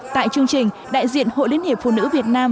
tại chương trình đại diện hội liên hiệp phụ nữ việt nam